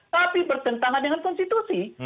tapi bertentangan dengan konstitusi